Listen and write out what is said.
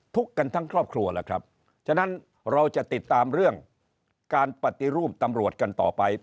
ทุกข์กันทั้งครอบครัวล่ะครับฉะนั้นเราจะติดตามเรื่องการปฏิรูปตำรวจกันต่อไป